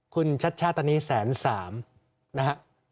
คุณชัดตอนนี้๑๐๓๐๐๐นะฮะ